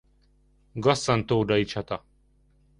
Gasszan-tódai csata.